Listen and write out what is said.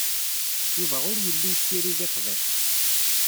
Yuba ur yelli yessirid iqbac.